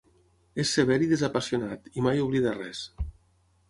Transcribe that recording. És sever i desapassionat, i mai oblida res.